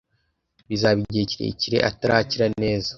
Bizaba igihe kirekire atarakira neza.